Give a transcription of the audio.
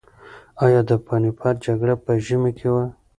ایا د پاني پت جګړه په ژمي کې وه؟